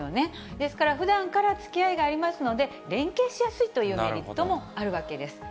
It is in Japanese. ですから、ふだんからつきあいがありますので、連携しやすいというメリットもあるわけです。